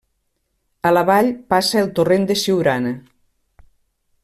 A la vall passa el torrent de Siurana.